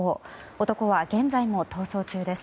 男は現在も逃走中です。